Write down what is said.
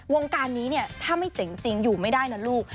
วงการนี้เนี่ยถ้าไม่เจ๋งจริงอยู่ไม่ได้นะลูก